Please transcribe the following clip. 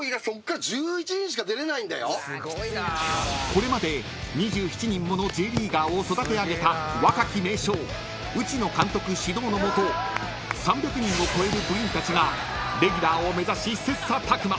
［これまで２７人ものＪリーガーを育て上げた若き名将内野監督指導の下３００人を超える部員たちがレギュラーを目指し切磋琢磨］